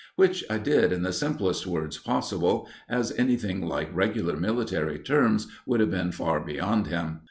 Which I did in the simplest words possible, as anything like regular military terms would have been far beyond him.